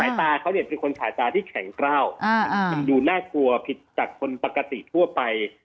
ตาเขาเนี่ยเป็นคนฉาตาที่แข็งกล้าวมันดูน่ากลัวผิดจากคนปกติทั่วไป